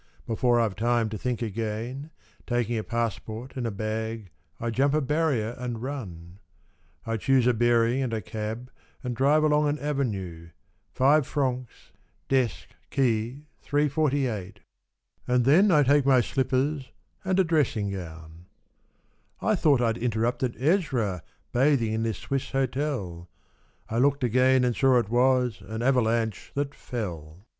Before Fve time to think again. Taking a passport and a bag I jump a barrier and run. I choose a bearing and a cab And drive along an avenue, Five francs, desk, key, 348, And then I take my slippers and a dressing gown 80 A Siciss Rhapsody. I thought I'll interrupted Ezra Bathing in this Swiss Hutel, I looked again and saw it was An avalanche that hil.